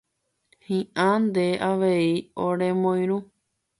Hi'ã nde avei oremoirũ